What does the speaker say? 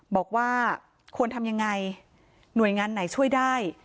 บอกว่าควรทำยังไงหน่วยงานไหนช่วยได้